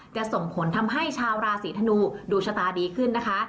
จะส่งผลทำให้ชาวราศีธนูดูชะตาดีขึ้นนะคะ